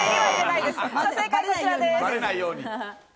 正解はこちらです。